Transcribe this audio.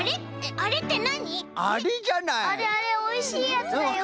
あれあれおいしいやつだよ。